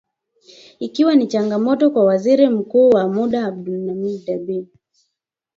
Ikiwa ni changamoto kwa Waziri Mkuu wa muda Abdulhamid Dbeibah